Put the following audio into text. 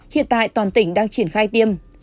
hiện tại toàn tỉnh đang triển khai tiêm